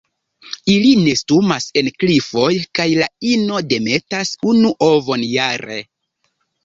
Ili nestumas en klifoj kaj la ino demetas unu ovon jare.